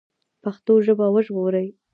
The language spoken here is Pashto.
پښتو ژبه وژغورئ